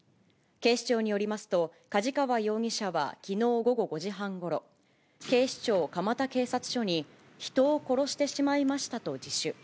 警視庁によりますと、梶川容疑者はきのう午後５時半ごろ、警視庁蒲田警察署に、人を殺してしまいましたと自首。